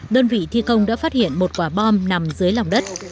đơn vị thi công đã phát hiện một quả bom nằm dưới lòng đất